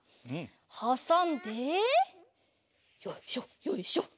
はさんでよいしょよいしょ